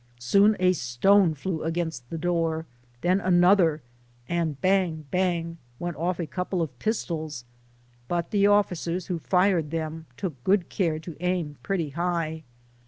Soon a stone flew against the door then another and bang, bang ! went off a couple of pistols, but the officers who fired them took good care to aim pretty high.